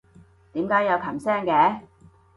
點解有琴聲嘅？